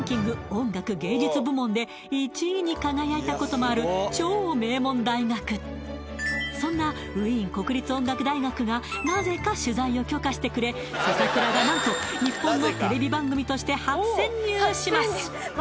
音楽・芸術部門で１位に輝いたこともある超名門大学そんなウィーン国立音楽大学がなぜか取材を許可してくれ「せかくら」が何と日本のテレビ番組として初潜入します